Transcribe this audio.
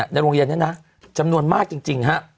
ในโรงเรียนนั้นจำนวนมากจริง